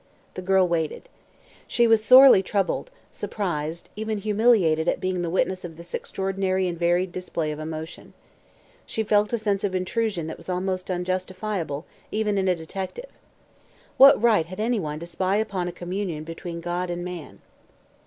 The girl waited. She was sorely troubled, surprised, even humiliated at being the witness of this extraordinary and varied display of emotion. She felt a sense of intrusion that was almost unjustifiable, even in a detective. What right had anyone to spy upon a communion between God and man?